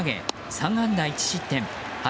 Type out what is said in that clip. ３安打１失点８